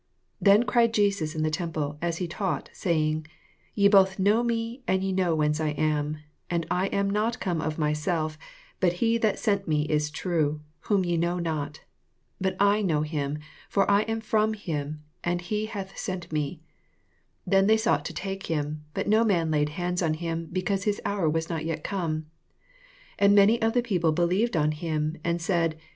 28 Then cried Jesus in the temple as he taught, saying, Ye both know me, and ye know whence I am : and I am not come of myself, but he that gent me is true, whom ye know not. 29 But I know him: for I am from him, and he bath sent me. 30 Then they sought to take him: but no man laid hands on him, because his hour was not yet come. 31 And many of the people be lieved on him, and said.